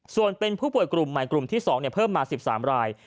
ส่วนเป็นผู้ป่วยกลุ่มใหม่กลุ่มที่๒เพิ่มมา๑๓ราย